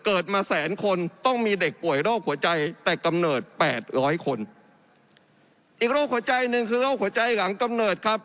เกิดมาแสนคนต้องมีเด็กป่วยโรคหัวใจแต่กำเนิดแปดร้อยคนอีกโรคหัวใจหนึ่งคือโรคหัวใจหลังกำเนิดครับ